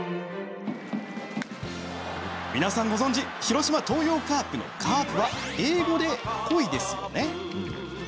皆さん、ご存じ広島東洋カープの「Ｃａｒｐ」は英語でコイですよね。